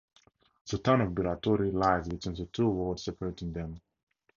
The town of Biratori lies between the two wards separating them.